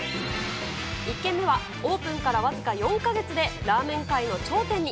１軒目はオープンから僅か４か月でラーメン界の頂点に。